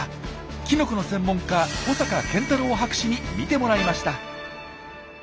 キノコの専門家保坂健太郎博士に見てもらいました。